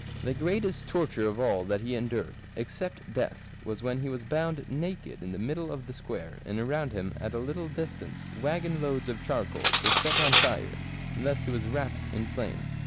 The greatest torture of all that he endured, except death, was when he was bound naked in the middle of the square, and around him at a little distance waggon loads of charcoal were set on fire, and thus he was wrapped in flame.